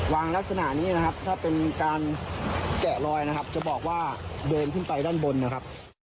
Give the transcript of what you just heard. ลักษณะนี้นะครับถ้าเป็นการแกะลอยนะครับจะบอกว่าเดินขึ้นไปด้านบนนะครับ